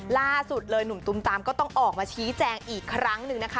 ล่าสุดเลยหนุ่มตุมตามก็ต้องออกมาชี้แจงอีกครั้งหนึ่งนะคะ